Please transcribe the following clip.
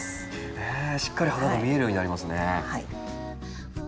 しっかり花が見えるようになりますね。